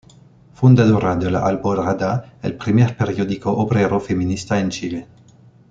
Fundadora de "La Alborada", el primer periódico obrero feminista en Chile.